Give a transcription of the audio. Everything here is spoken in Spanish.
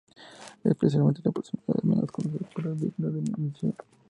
Especialmente a personalidades menos conocidas pero dignas de mención.